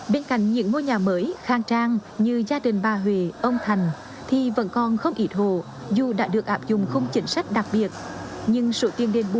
địa điểm mới rất thùng tiện cho người dân sinh sống